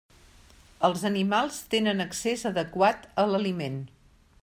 Els animals tenen accés adequat a l'aliment.